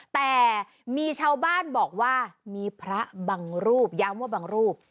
แต่มีชาวบ้านบอกว่ามีพระบางรูปย้ำว่าบางรูป